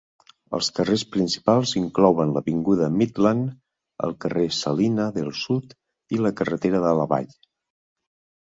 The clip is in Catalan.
Els carrers principals inclouen l'avinguda Midland, el carrer Salina del sud i la carretera de la vall.